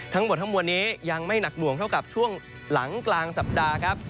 ทั้งหมดทั้งมวลนี้ยังไม่หนักหน่วงเท่ากับช่วงหลังกลางสัปดาห์ครับ